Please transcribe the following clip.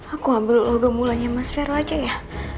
aku ambil logam mulanya mas vero aja ya